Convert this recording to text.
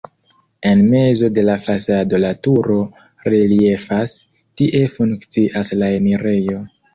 En mezo de la fasado la turo reliefas, tie funkcias la enirejo.